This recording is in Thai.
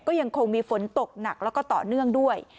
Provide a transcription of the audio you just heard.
ก็ยังคงมีฝนตกหนักแล้วก็ต่อเนื่องด้วย